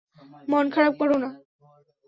মন খারাপ কোরো না।